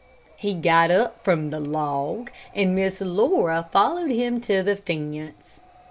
He got up from the log, and Miss Laura followed him to the fence.